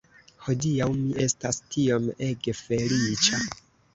Hodiaŭ mi estas tiom ege feliĉa